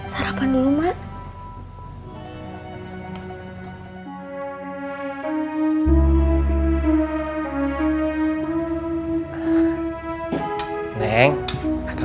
sarapan dulu mak